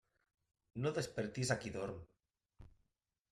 No despertis a qui dorm.